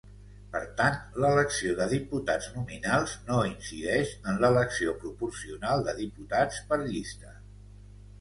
Per tant, l'elecció de diputats nominals no incideix en l'elecció proporcional de diputats per llista.